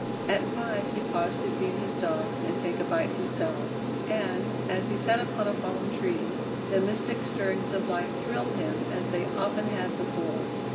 At five he paused to feed his dogs and take a bite himself, and, as he sat upon a fallen tree, the mystic stirrings of life thrilled him as they often had before.